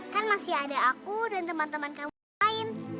kan masih ada aku dan teman teman kamu yang lain